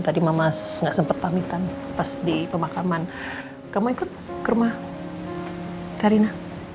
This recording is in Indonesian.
tadi mama nggak sempat pamitan pas di pemakaman kamu ikut ke rumah karina